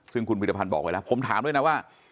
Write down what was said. ซึ่งคุณพิธภัณฑ์บอกไว้แล้วผมถามด้วยนะว่า